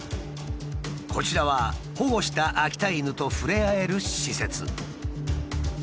こちらは保護した秋田犬と触れ合える施設。